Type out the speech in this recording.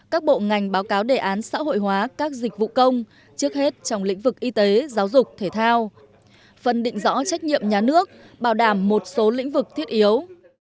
các bộ ngành báo cáo đề án xã hội hóa các dịch vụ công trước hết trong lĩnh vực y tế giáo dục thể thao phân định rõ trách nhiệm nhà nước bảo đảm một số lĩnh vực thiết yếu